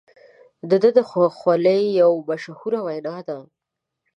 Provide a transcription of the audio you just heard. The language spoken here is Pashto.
د ده د خولې یوه مشهوره وینا ده.